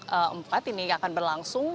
kelompok empat ini akan berlangsung